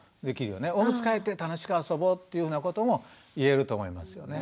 「おむつ替えて楽しく遊ぼう」っていうふうなことも言えると思いますよね。